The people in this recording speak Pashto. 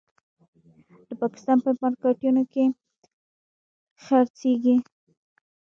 د پاکستان په مارکېټونو کې خرڅېږي.